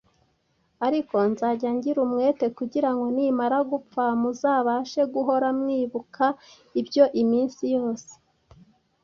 Ariko nzajya ngira umwete, kugira ngo nimara gupfa muzabashe guhora mwibuka ibyo, iminsi yose.